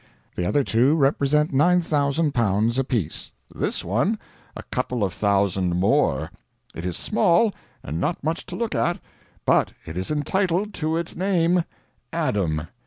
The other two represent L9,000 a piece; this one a couple of thousand more. It is small, and not much to look at, but it is entitled to (its) name Adam.